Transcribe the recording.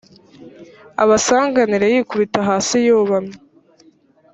abasanganire yikubita hasi yubamye